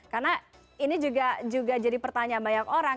karena ini juga jadi pertanyaan banyak orang